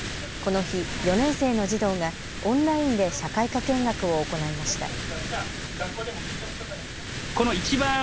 この日、４年生の児童がオンラインで社会科見学を行いました。